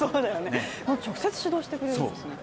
直接指導してくれるんですね。